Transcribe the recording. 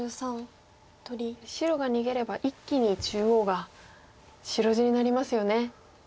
白が逃げれば一気に中央が白地になりますよね。